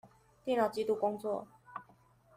電腦紀錄工作